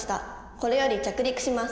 これより着陸します」。